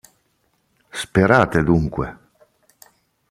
Sperate dunque!